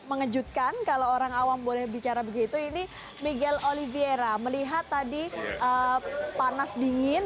mengejutkan kalau orang awam boleh bicara begitu ini miguel oliviera melihat tadi panas dingin